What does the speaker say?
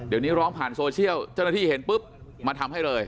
เดี๋ยวนี้ร้องผ่านโซเชียลเจ้าหน้าที่เห็นปุ๊บมาทำให้เลย